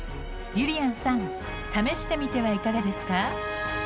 ゆりやんさん試してみてはいかがですか？